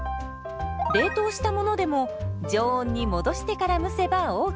冷凍したものでも常温に戻してから蒸せばＯＫ。